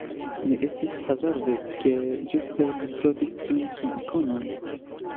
Ne estis hazarde, ke ĝuste li trovis tiun ĉi ikonon.